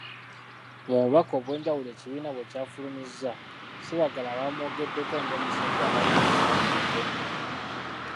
Mu bubaka obw'enjawulo ekibiina bwe kyafulumizza Sebaggala bamwogeddeko ng'omusajja abadde omumalirivu ennyo.